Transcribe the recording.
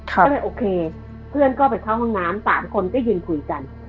ก็เลยโอเคเพื่อนก็ไปเข้าห้องน้ำ๓คนก็ยืนคุยกัน